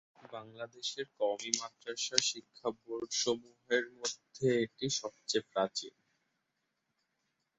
বাংলাদেশের কওমি মাদ্রাসা শিক্ষা বোর্ড সমূহের মধ্যে এটি সবচেয়ে প্রাচীন।